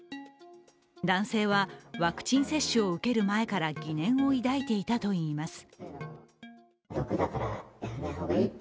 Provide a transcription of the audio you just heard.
男性は、ワクチン接種を受ける前から疑念を抱いていたといいます。